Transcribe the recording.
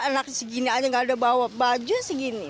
enak segini aja nggak ada bawa baju segini